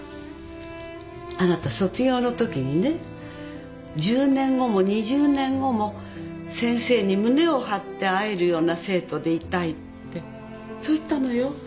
あなた卒業のときにね「１０年後も２０年後も先生に胸を張って会えるような生徒でいたい」ってそう言ったのよ。